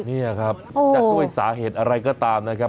นี่ครับจะด้วยสาเหตุอะไรก็ตามนะครับ